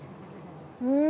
うん。